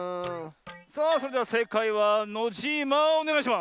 さあそれではせいかいはノジーマおねがいします！